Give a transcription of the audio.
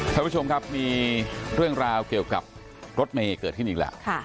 ท่านผู้ชมครับมีเรื่องราวเกี่ยวกับรถเมย์เกิดขึ้นอีกแล้ว